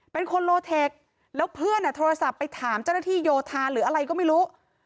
เป็นคนโลเทคแล้วเพื่อนโทรศัพท์ไปถามเจ้าหน้าที่โยธาหรืออะไรก็ไม่รู้